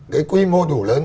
cái quy mô đủ lớn